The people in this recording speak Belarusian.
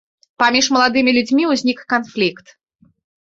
Паміж маладымі людзьмі ўзнік канфлікт.